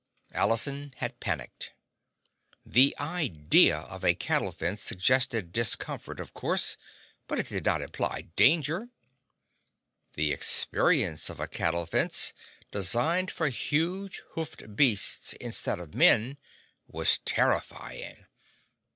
Allison had panicked. The idea of a cattle fence suggested discomfort, of course, but it did not imply danger. The experience of a cattle fence, designed for huge hoofed beasts instead of men, was terrifying.